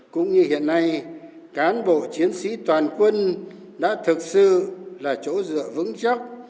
cũng như hiện nay cán bộ chiến sĩ toàn quân đã thực sự là chỗ dựa vững chắc